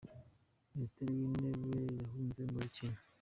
Ministri w’Intebe yahunze Muri kenya